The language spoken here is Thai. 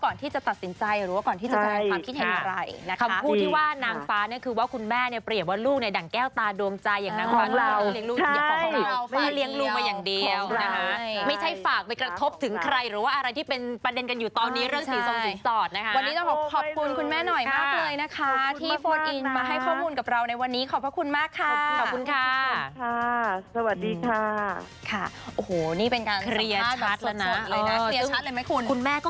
ก่อนที่จะตัดสินใจหรือว่าก่อนที่จะตัดสินใจหรือว่าก่อนที่จะตัดสินใจหรือว่าก่อนที่จะตัดสินใจหรือว่าก่อนที่จะตัดสินใจหรือว่าก่อนที่จะตัดสินใจหรือว่าก่อนที่จะตัดสินใจหรือว่าก่อนที่จะตัดสินใจหรือว่าก่อนที่จะตัดสินใจหรือว่าก่อนที่จะตัดสินใจหรือว่าก่อนที่จะตัดสินใจหรือว่าก